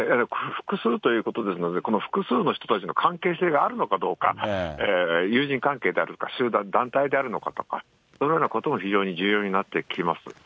複数ということですので、この複数の人たちの関係性があるのかどうか、友人関係であるとか集団、団体であるのかとか、そのようなことも非常に重要になってきます。